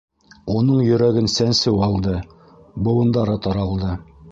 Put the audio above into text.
Уның йөрәген сәнсеү алды, быуындары таралды.